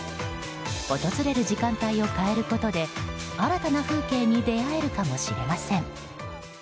訪れる時間帯を変えることで新たな風景に出会えるかもしれません。